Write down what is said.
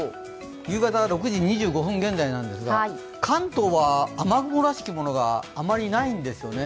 夕方６時２５分現在なんですが、関東は雨雲らしきものがあまりないんですよね。